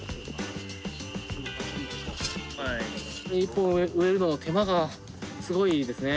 １本植えるの手間がすごいですね。